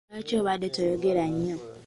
Lwaki obadde toyogera nnyo?